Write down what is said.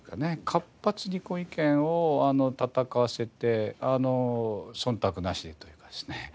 活発に意見を戦わせて忖度なしでというかですね